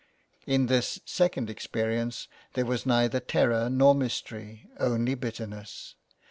In this second experience there was neither terror nor mystery — only bitter ness.